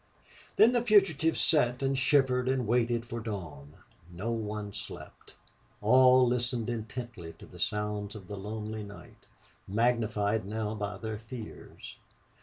Then the fugitives sat and shivered and waited for dawn. No one slept. All listened intently to the sounds of the lonely night, magnified now by their fears.